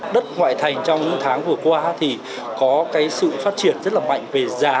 đất ngoại thành trong những tháng vừa qua thì có cái sự phát triển rất là mạnh về giá